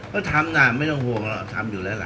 ก็ทำนะไม่ต้องห่วงหรอกทำอยู่แล้วล่ะ